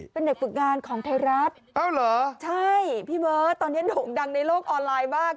เป็นเด็กฝึกงานของไทยรัฐเอ้าเหรอใช่พี่เบิร์ตตอนนี้โด่งดังในโลกออนไลน์มาก